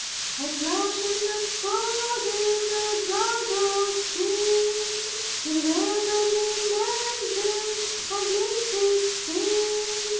I flash in the sword, In the dagger keen; In rails and in engines My glint is seen.